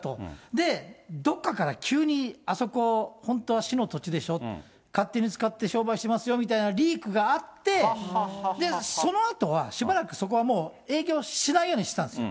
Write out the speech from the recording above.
で、どっかから急に、あそこ、本当は市の土地でしょ、勝手に使って商売してますよみたいなリークがあって、そのあとはしばらくそこはもう営業しないようにしてたんです。